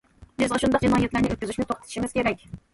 بىز ئاشۇنداق جىنايەتلەرنى ئۆتكۈزۈشنى توختىتىشىمىز كېرەك.